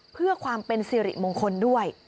เพื่อความเป็นสิริมงคลด้วย